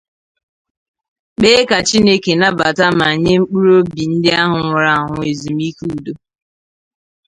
kpee ka Chineke nabata ma nye mkpụrụ obi ndị ahụ nwụrụ anwụ ezumike udo.